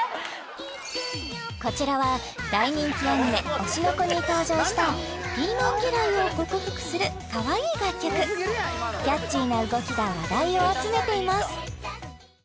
こちらは大人気アニメ「推しの子」に登場したピーマン嫌いを克服するかわいい楽曲キャッチーな動きが話題を集めています